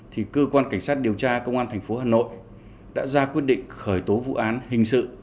thì cơ quan cảnh sát điều tra công an thành phố hà nội đã ra quyết định khởi tố vụ án hình sự